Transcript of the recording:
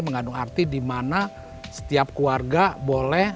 mengandung arti di mana setiap keluarga boleh